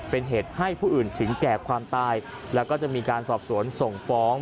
เป็นเหตุให้ผู้อื่นถึงแก่ความตายแล้วก็จะมีการสอบสวนส่งฟ้อง